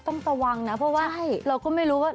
ต้องระวังนะเพราะว่าเราก็ไม่รู้ว่า